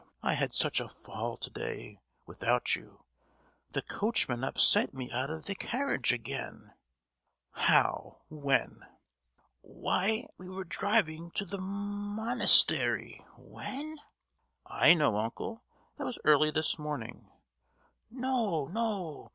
I had such a fall to day, without you. The coachman upset me out of the carriage again!" "How? When?" "Why, we were driving to the mo—nastery, when?——" "I know, uncle: that was early this morning!" "No, no!